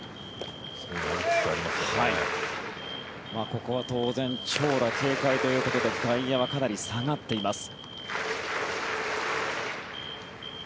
ここは当然長打警戒ということで外野はかなり下がっています。